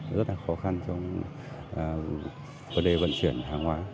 rất là khó khăn trong vấn đề vận chuyển hàng hóa